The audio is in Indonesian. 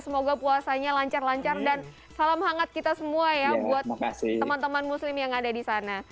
semoga puasanya lancar lancar dan salam hangat kita semua ya buat teman teman muslim yang ada di sana